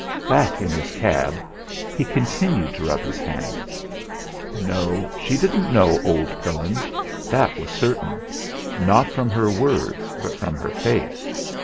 Back in his cab, he continued to rub his hands. No, she didn't know old Pillin! That was certain; not from her words, but from her face.